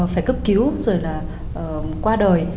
phải cấp cứu rồi là qua đời